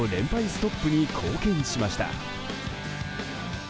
ストップに貢献しました。